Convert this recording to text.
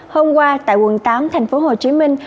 hôm qua tại quận tám thành phố hồ chí minh